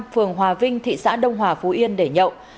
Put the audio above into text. phường hòa vinh thị xã đông hòa phú yên để nhậu